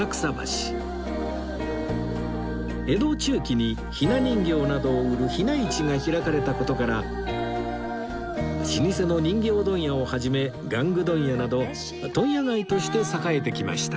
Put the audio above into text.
江戸中期に雛人形などを売る雛市が開かれた事から老舗の人形問屋を始め玩具問屋など問屋街として栄えてきました